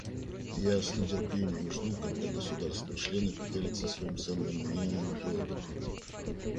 Я с нетерпением жду, когда государства-члены поделятся своим ценным мнением и опытом.